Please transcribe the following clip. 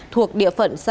thuộc địa phận xã